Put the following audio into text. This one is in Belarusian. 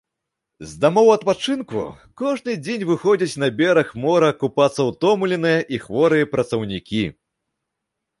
З дамоў адпачынку кожны дзень выходзяць на бераг мора купацца ўтомленыя і хворыя працаўнікі.